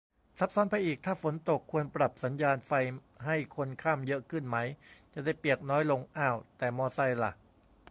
ซับซ้อนไปอีก ถ้าฝนตก ควรปรับสัญญานไฟให้คนข้ามเยอะขึ้นไหม จะได้เปียกน้อยลง อ้าว แต่มอไซค์ล่ะ